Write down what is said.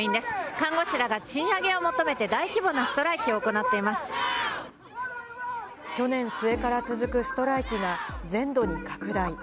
看護師らが賃上げを求めて大規模去年末から続くストライキが全土に拡大。